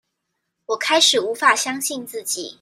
我開始無法相信自己